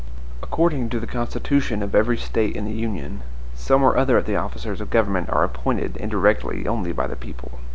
According to the constitution of every State in the Union, some or other of the officers of government are appointed indirectly only by the people.